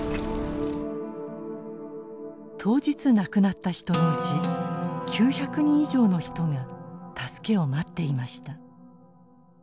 当日亡くなった人のうち９００人以上の人が助けを待っていました。